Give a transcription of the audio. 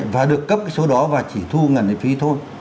và được cấp cái số đó và chỉ thu ngân phí thôi